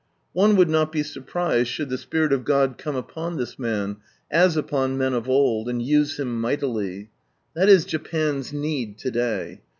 One would not be surprised should the Spirit of God come upon this man, as 15= From Sunrise Land upon men of old, and use him mightily. Thai is Japan's need lo day.